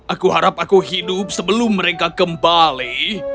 aku harap aku hidup sebelum mereka kembali